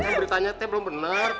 kan beritanya teh belum benar